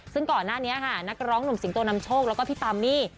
ซึ่งก่อนหน้านี้ค่ะนักร้องหนุ่มสิงโตนำโชคแล้วก็พี่ปามมี่